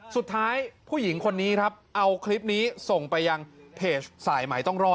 สุดท้ายผู้หญิงคนนี้เอาคลิปนี้ส่งไปยังทางเสร์ฟภัยโดย